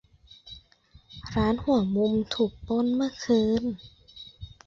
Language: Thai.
ร้านหัวมุมถูกปล้นเมื่อคืน